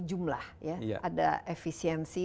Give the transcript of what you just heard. jumlah ya ada efisiensi